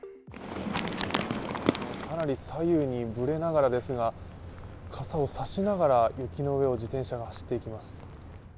かなり左右にぶれながらですが傘を差しながら雪の上を自転車が走っていきます。